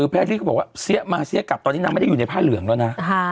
แพรรี่ก็บอกว่าเสี้ยมาเสี้ยกลับตอนนี้นางไม่ได้อยู่ในผ้าเหลืองแล้วนะ